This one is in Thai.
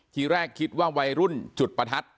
ทีแรกคิดว่าวัยรุ่นจุดประทัด